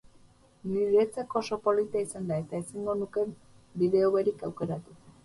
Niretzat oso polita izan da eta ezingo nuke bide hoberik aukeratu.